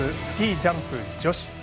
スキー・ジャンプ女子。